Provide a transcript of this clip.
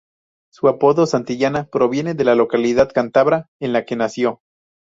Su apodo, "Santillana", proviene de la localidad cántabra en la que nació.